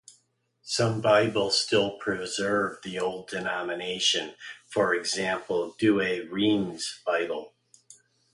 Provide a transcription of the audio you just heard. Some Bibles still preserve the old denomination, for example, Douay Rheims bible.